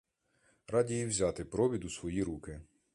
Раді і взяти провід у свої руки.